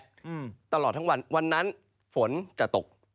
อืมตลอดทั้งวันวันนั้นฝนจะตก